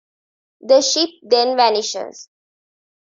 The ship then vanishes.